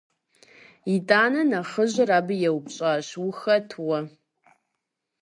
ИтӀанэ, нэхъыжьыр абы еупщӀащ: - Ухэт уэ?